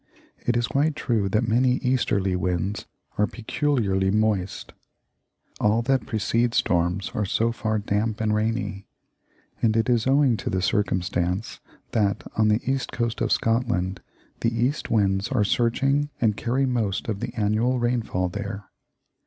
It is quite true that many easterly winds are peculiarly moist; all that precede storms are so far damp and rainy; and it is owing to this circumstance that, on the east coast of Scotland, the east winds are searching and carry most of the annual rainfall there.